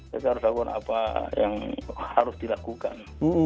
kita harus tahu pun apa yang harus dilakukan